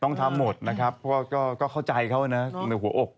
ซึ่งตอน๕โมง๔๕นะฮะทางหน่วยซิวได้มีการยุติการค้นหาที่